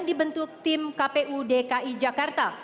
dibentuk tim kpu dki jakarta